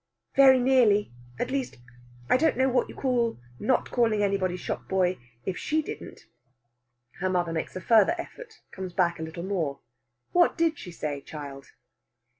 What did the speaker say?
"Very nearly at least, I don't know what you call not calling anybody shop boy if she didn't." Her mother makes a further effort comes back a little more. "What did she say, child?"